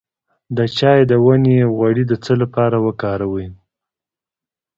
د چای د ونې غوړي د څه لپاره وکاروم؟